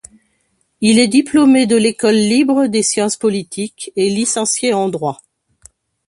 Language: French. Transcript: Il est diplômé de l’École libre des sciences politiques, et licencié en droit.